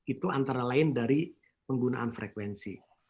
itu antara lain dari penggunaan frekuensi